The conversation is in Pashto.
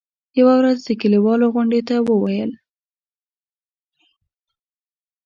يوه ورځ د کلیوالو غونډې ته وویل.